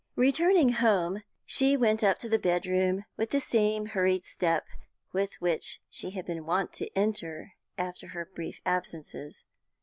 Returning home, she went up to the bedroom with the same hurried step with which she had been wont to enter after her brief absences.